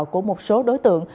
của một số đối tượng